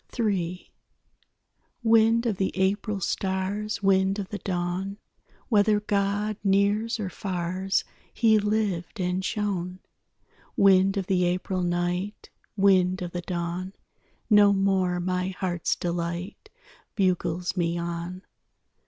III Wind of the April stars, Wind of the dawn, Whether God nears or fars, He lived and shone. Wind of the April night, Wind of the dawn, No more my heart's delight Bugles me on.